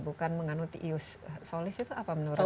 bukan menganut ius solis itu apa menurut anda